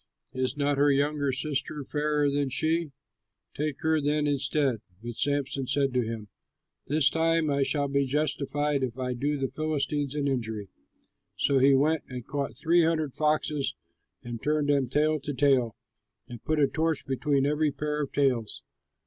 Is not her younger sister fairer than she? Take her then, instead." But Samson said to him, "This time I shall be justified if I do the Philistines an injury." So he went and caught three hundred foxes, turned them tail to tail, and put a torch between every pair of tails.